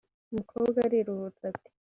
umukobwa ariruhutsa ati